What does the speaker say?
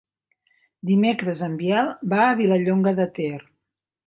Dimecres en Biel va a Vilallonga de Ter.